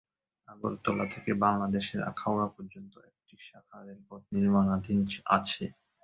আগরতলা থেকে বাংলাদেশের আখাউড়া পর্যন্ত একটি শাখা রেলপথ নির্মাণাধীন আছে।